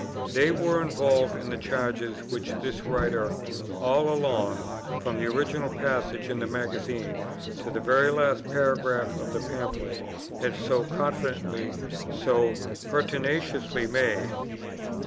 They were involved in the charges which this writer, all along, from the original passage in the Magazine, to the very last paragraph of the Pamphlet, had so confidently, so pertinaciously made.